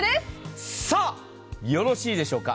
さあ、よろしいでしょうか。